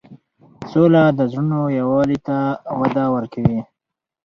سوله د زړونو یووالی ته وده ورکوي.